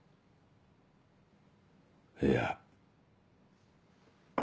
いや。